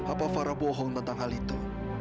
apa farah bohong tentang hal itu